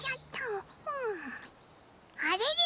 あれれ？